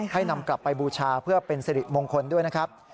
ให้นำกลับไปบูชาเพื่อเป็นสิริมงคลด้วยนะครับ